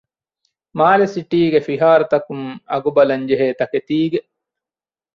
މާލެ ސިޓީގެ ފިހާރަތަކުން އަގުބަލަންޖެހޭ ތަކެތީގެ